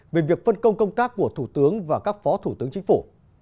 về việc phân công công tác của thủ tướng và các phó thủ tướng chính phủ